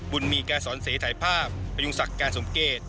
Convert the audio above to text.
บุญมีการสอนเสียถ่ายภาพไปยุ่งสักการณ์สมเกต